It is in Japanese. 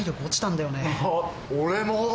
俺も。